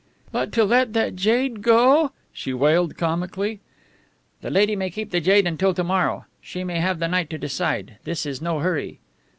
"But to let that jade go!" she wailed comically. "The lady may keep the jade until to morrow. She may have the night to decide. This is no hurry."